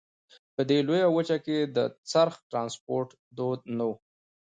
په دې لویه وچه کې د څرخ ټرانسپورت دود نه وو.